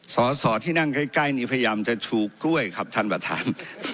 สอสอที่นั่งใกล้นี้พยายามจะชูกล้วยครับท่านประธาน